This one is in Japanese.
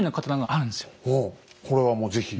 これはもう是非。